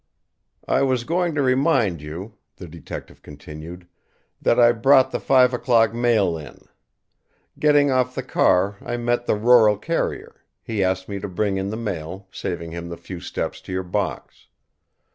"I was going to remind you," the detective continued, "that I brought the five o'clock mail in. Getting off the car, I met the rural carrier; he asked me to bring in the mail, saving him the few steps to your box.